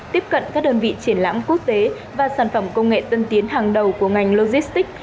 tiếp cận các đơn vị triển lãm quốc tế và sản phẩm công nghệ tân tiến hàng đầu của ngành logistics